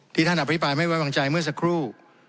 ท่านอภิปรายไม่ไว้วางใจเมื่อสักครู่